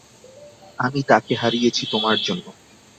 আমি তাকে হারিয়েছি তোমার জন্য।